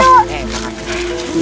eh pak ardi